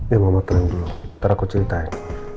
ya mama tenang dulu nanti aku ceritain